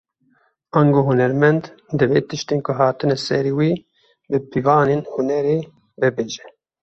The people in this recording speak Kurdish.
Ango hunermend, divê tiştên ku hatine serî wî, bi pîvanên hunerê vebêje